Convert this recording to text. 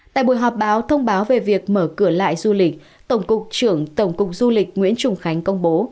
tại buổi họp báo thông báo về việc mở cửa lại du lịch tổng cục trưởng tổng cục du lịch nguyễn trùng khánh công bố